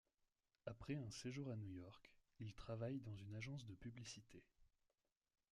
Après un séjour à New York, il travaille dans une agence de publicité.